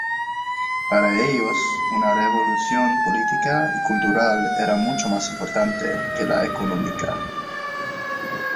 Para ellos, una revolución política y cultural era mucho más importante que la económica.